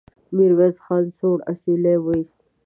ميرويس خان سوړ اسويلی وايست.